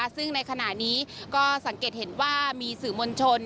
ซึ่งในขณะนี้ก็สังเกตเห็นว่ามีสื่อมวลชน